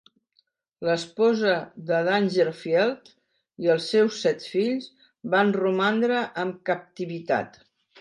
L'esposa de Dangerfield i els seus set fills van romandre en captivitat.